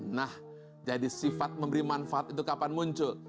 nah jadi sifat memberi manfaat itu kapan muncul